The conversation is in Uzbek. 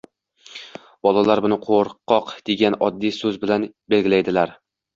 bolalar buni “qo‘rqoq”, degan oddiy so‘z bilan belgilaydilar.